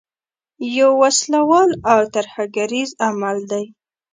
یو وسله وال او ترهګریز عمل دی.